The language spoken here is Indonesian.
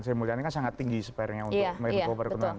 sebenarnya kan sangat tinggi spernya untuk merdeka perkenaan